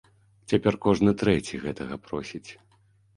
Цяпер кожны трэці гэтага просіць!